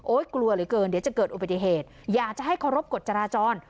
กลัวเหลือเกินเดี๋ยวจะเกิดอุบัติเหตุอยากจะให้เคารพกฎจราจร